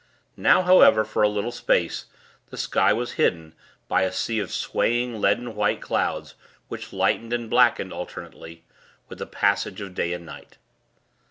Now, however, for a little space, the sky was hidden, by a sea of swaying, leaden white clouds, which lightened and blackened, alternately, with the passage of day and night.